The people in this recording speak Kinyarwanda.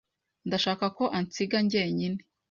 Ndashaka ko ansiga jyenyine.